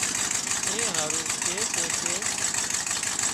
اين هارو ڪي سي ڪي